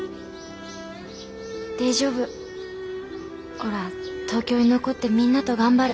おら東京に残ってみんなと頑張る。